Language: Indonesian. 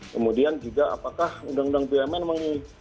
kemudian juga apakah undang undang bumn menginginkan